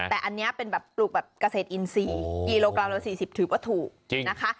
แต่อันนี้เป็นแบบปลูกแบบเกษตรอินทรีย์กิโลกรัมละ๔๐ถือว่าถูกนะคะ